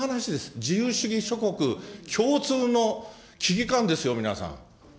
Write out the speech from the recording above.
自由主義諸国共通の危機感ですよ、皆さん。